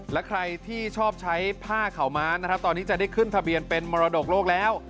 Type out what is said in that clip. และใครที่ชอบใช้ผ้าข่าวม้านะครับตอนนี้จะได้ขึ้นทะเบียนเป็นมรดกโลกแล้ว